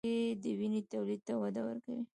مالټې د وینې تولید ته وده ورکوي.